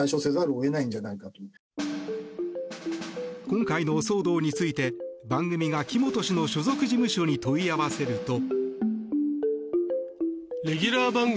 今回の騒動について番組が木本氏の所属事務所に問い合わせると。